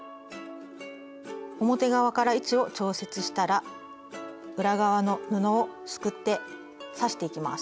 表側から位置を調節したら裏側の布をすくって刺していきます。